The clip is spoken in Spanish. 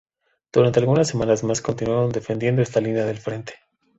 Durante algunas semanas más continuaron defendiendo esta línea del frente.